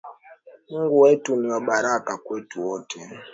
Mungu wetu ni wa baraka kwetu wote